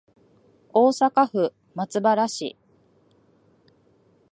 大阪府松原市